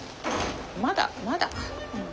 まだまだか。